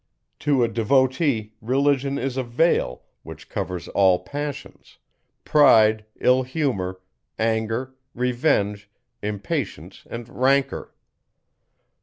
To a devotee, Religion is a veil, which covers all passions; pride, ill humour, anger, revenge, impatience, and rancour.